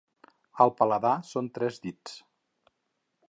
El paladar són tres dits.